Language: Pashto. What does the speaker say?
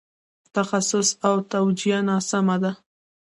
تخصیص او توجیه ناسمه ده.